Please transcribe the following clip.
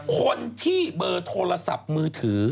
คนที่เบอร์โทรศัพท์มือถือ